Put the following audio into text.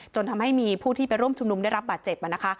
จนทำให้มีผู้ที่ไปร่วมชุมนุมได้รับบาดเจ็บนะคะ